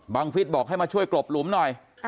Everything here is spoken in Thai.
ฟิศบอกให้มาช่วยกลบหลุมหน่อย